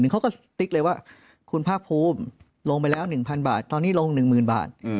เขาก็สติ๊กเลยว่าคุณภาคภูมิลงไปแล้ว๑๐๐บาทตอนนี้ลง๑๐๐๐บาท